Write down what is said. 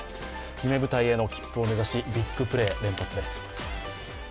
夢舞台への切符を目指し、ビッグプレー連発です。